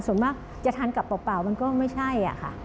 ส่วนมากจะทานกับเปล่ามันก็ไม่ใช่ค่ะ